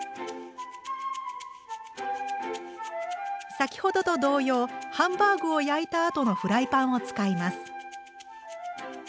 先ほどと同様ハンバーグを焼いたあとのフライパンを使います。